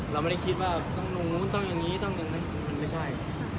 เราไม่ได้คิดว่าต้องตรงนู้นต้องอย่างนี้ต้องอย่างนั้นมันไม่ใช่